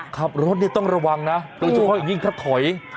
ขับรถนี่ต้องระวังนะโดยเฉพาะยิ่งคับถอย